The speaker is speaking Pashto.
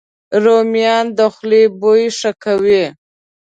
رومیان د خولې بوی ښه کوي